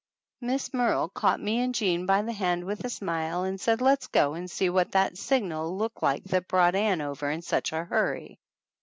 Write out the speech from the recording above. Miss Merle caught me and Jean by the hand with a smile and said let's go and see what that signal looked like that brought Ann over in such a hurry.